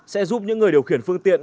sẽ giúp những người điều khiển phương tiện